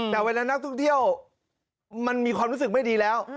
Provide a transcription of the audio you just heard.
แต่เวลานักท่องเที่ยวมันมีความรู้สึกไม่ดีแล้ว